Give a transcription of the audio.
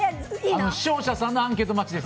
視聴者さんのアンケート待ちです。